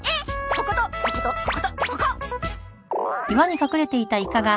こことこことこことここ！